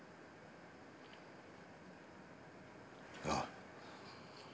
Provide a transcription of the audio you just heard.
ああ。